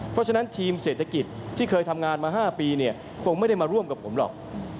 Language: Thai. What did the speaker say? เพราะฉะนั้นทีมเศรษฐกิจที่เคยทำงานมา๕ปีเนี่ยคงไม่ได้มาร่วมกับผมหรอก